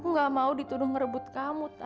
aku nggak mau dituduh ngerebut kamu tan